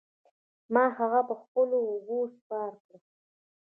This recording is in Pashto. ما هغه په خپلو اوږو سپار کړ.